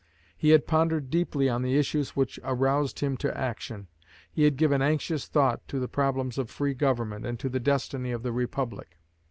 He had pondered deeply on the issues which aroused him to action. He had given anxious thought to the problems of free government, and to the destiny of the Republic.